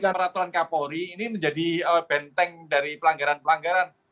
peraturan kapolri ini menjadi benteng dari pelanggaran pelanggaran